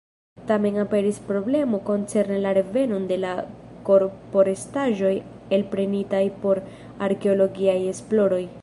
Tamen aperis problemo koncerne la revenon de la korporestaĵoj elprenitaj por arkeologiaj esploroj.